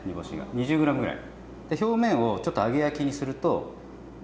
２０ｇぐらい。